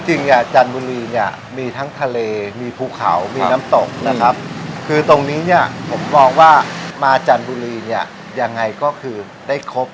จริงเนี่ยจันทบุรีเนี่ยมีทั้งทะเลมีภูเขามีน้ำตกนะครับคือตรงนี้เนี่ยผมมองว่ามาจันทบุรีเนี่ยยังไงก็คือได้ครบ